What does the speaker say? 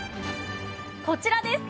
こちらです！